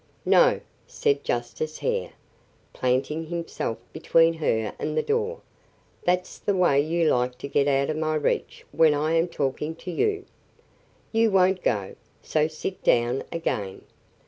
"No," said Justice Hare, planting himself between her and the door; "that's the way you like to get out of my reach when I am talking to you. You won't go; so sit down again.